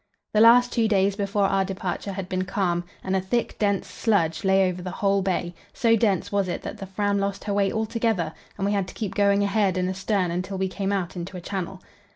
The last two days before our departure had been calm, and a thick, dense sludge lay over the whole bay; so dense was it that the Fram lost her way altogether, and we had to keep going ahead and astern until we came out into a channel.